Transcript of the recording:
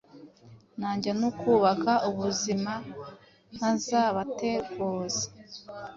najya no kubaka ubuzima ntazabateguza